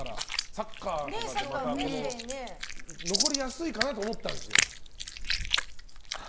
サッカーとかで残りやすいかなと思ったんですよ。